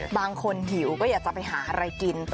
หิวก็อยากจะไปหาอะไรกิน